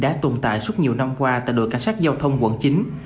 các kho bãi đã được dùng tại suốt nhiều năm qua tại đội cảnh sát giao thông quận chín